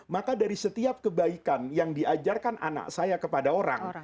maka dari setiap kebaikan yang diajarkan anak saya kepada orang